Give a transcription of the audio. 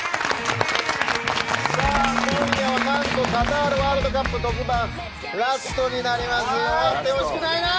今夜は何とカタールワールドカップ特番ラストになります。